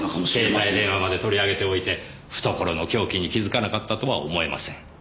携帯電話まで取り上げておいて懐の凶器に気づかなかったとは思えません。